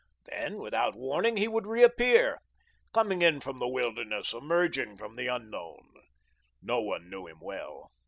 Then, without warning, he would reappear, coming in from the wilderness, emerging from the unknown. No one knew him well.